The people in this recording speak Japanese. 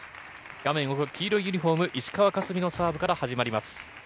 画面奥、黄色いユニホーム、石川佳純のサーブから始まります。